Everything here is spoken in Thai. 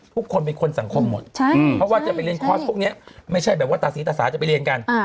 ทุกคนเป็นคนสังคมหมดเพราะว่าจะไปเรียนคอร์สพวกนี้ไม่ใช่แบบว่าตาศรีตาสาจะไปเรียนกัน